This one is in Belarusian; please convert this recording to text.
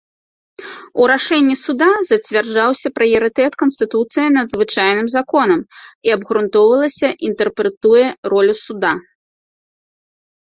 У рашэнні суда зацвярджаўся прыярытэт канстытуцыі над звычайным законам і абгрунтоўвалася інтэрпрэтуе ролю суда.